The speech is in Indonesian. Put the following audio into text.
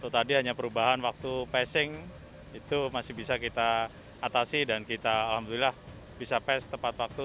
tadi hanya perubahan waktu passing itu masih bisa kita atasi dan kita alhamdulillah bisa pas tepat waktu